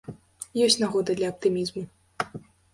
Ёсць нагода для аптымізму.